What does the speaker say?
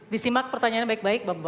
disimak pertanyaan baik baik bapak bapak